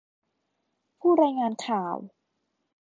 ผู้รายงานข่าว